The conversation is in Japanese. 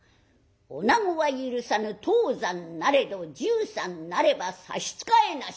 「女子は許さぬ当山なれど１３なれば差し支えなし。